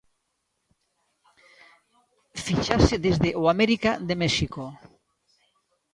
Fichaxe desde o América de México.